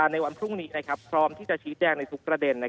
ในวันพรุ่งนี้พร้อมที่จะชี้แจงในทุกประเด็น